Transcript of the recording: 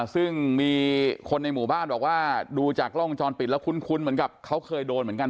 ซึ่งมีคนในหมู่บ้านบอกว่าดูจากกล้องวงจรปิดแล้วคุ้นเหมือนกับเขาเคยโดนเหมือนกัน